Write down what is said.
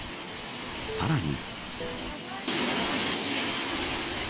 さらに。